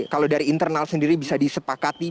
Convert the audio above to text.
kalau dari internal sendiri bisa disepakati